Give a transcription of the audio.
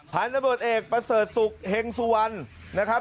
พันธบทเอกประเสริฐศุกร์เฮงสุวรรณนะครับ